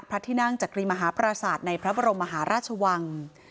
พระที่นั่งจักรีมหาปราศาสตร์ในพระบรมมหาราชวัง